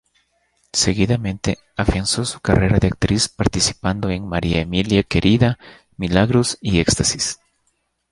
Seguidamente, afianzó su carrera de actriz participando en "María Emilia, querida", "Milagros" y "Éxtasis".